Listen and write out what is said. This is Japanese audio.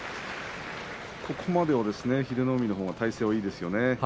ここまでは英乃海のほうが体勢がいいですよね